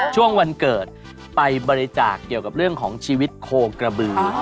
ช่วงวันเกิดไปบริจาคเกี่ยวกับเรื่องของชีวิตโคกระบือ